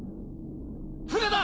船だ！